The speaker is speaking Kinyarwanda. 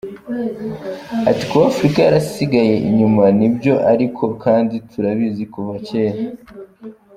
Ati “Kuba Afurika yarasigaye inyuma nibyo ariko kandi turabizi kuva kera.